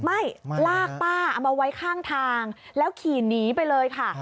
ไม่ลากป้าเอามาไว้ข้างทางแล้วขี่หนีไปเลยค่ะ